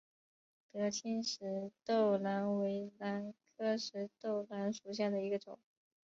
德钦石豆兰为兰科石豆兰属下的一个种。